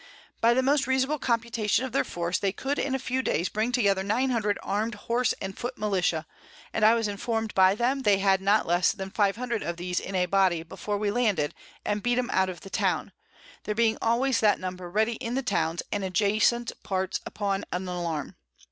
By the most reasonable Computation of their Force, they could in a few days bring together 900 armed Horse and Foot Militia; and I was inform'd by them they had not less than 500 of these in a Body before we landed, and beat 'em out of the Town, there being always that Number ready in the Towns and adjacent Parts upon an Alarm.